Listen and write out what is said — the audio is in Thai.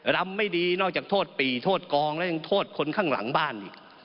รำไม่ดีนอกจากโทษปี่โทษกองแล้วยังโทษคนข้างหลังบ้านอีก